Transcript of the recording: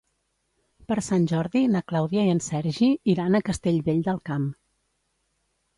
Per Sant Jordi na Clàudia i en Sergi iran a Castellvell del Camp.